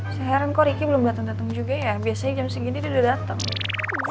saya heran kok riki belum dateng dateng juga ya biasanya jam segini dia udah dateng